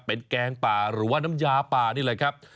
เป็นแกงป่าหรือว่าน้ำยาป่านี่แหละครับ